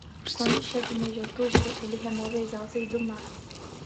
Quando chega o mês de outubro, ele remove as alças do mar.